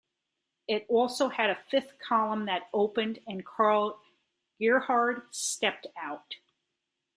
It also had a fifth column that opened and Karl Gerhard stepped out.